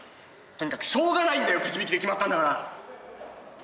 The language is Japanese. とにかくしょうがないんだよくじ引きで決まったんだから！